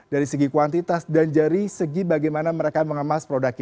dari segi kuantitas dan dari segi bagaimana mereka mengemas produk